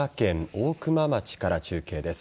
大熊町から中継です。